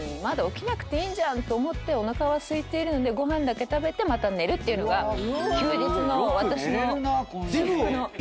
まだ起きなくていいんじゃんと思っておなかはすいているのでご飯だけ食べてまた寝るっていうのが休日の私の至福の。